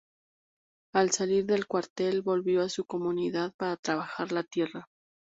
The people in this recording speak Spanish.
Al salir del cuartel volvió a su comunidad para trabajar la tierra.